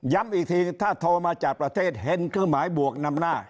อีกทีถ้าโทรมาจากประเทศเห็นเครื่องหมายบวกนำหน้า